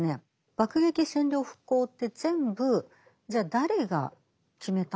爆撃占領復興って全部じゃあ誰が決めたのか。